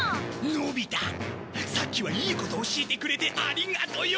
のび太さっきはいいこと教えてくれてありがとよ！